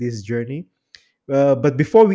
tapi sebelum kita berakhir